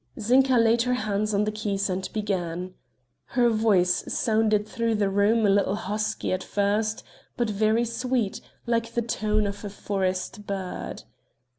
Zinka laid her hands on the keys and began. Her voice sounded through the room a little husky at first, but very sweet, like the note of a forest bird.